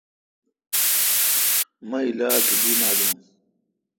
مہ الا تودی نالون۔